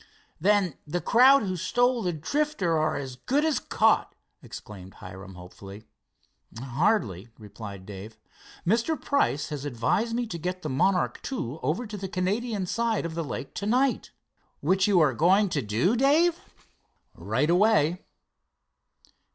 "Then the crowd who stole the Drifter are as good as caught!" exclaimed Hiram hopefully. "Hardly," replied Dave. "Mr. Price has advised me to get the Monarch II over to the Canadian side of the lake to night!" "Which you are going to do, Dave?" "Right away."